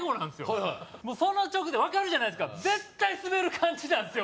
はいはいその直で分かるじゃないですか絶対スベる感じなんですよ